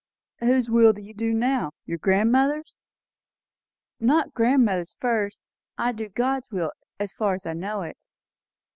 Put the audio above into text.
"Whose will do you now? your grandmother's?" "Not grandmother's first. I do God's will, as far as I know it."